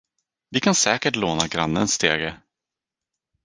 Vi kan säkert låna grannens stege!